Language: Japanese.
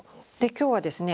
今日はですね